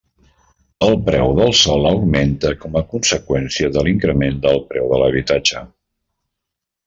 El preu del sòl augmenta com a conseqüència de l'increment del preu de l'habitatge.